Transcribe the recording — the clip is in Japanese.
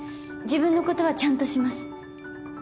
自分のことはちゃんとします。